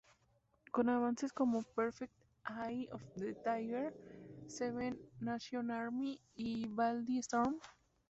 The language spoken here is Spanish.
Con avances como Perfect, Eye of the tiger, Seven nation army, y Vivaldi storm.